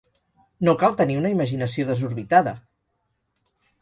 No cal tenir una imaginació desorbitada.